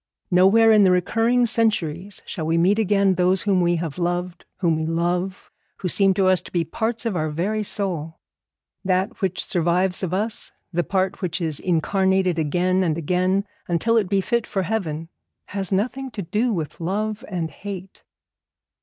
Nowhere in the recurring centuries shall we meet again those whom we have loved, whom we love, who seem to us to be parts of our very soul. That which survives of us, the part which is incarnated again and again, until it be fit for heaven, has nothing to do with love and hate.